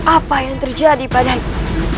apa yang terjadi padaku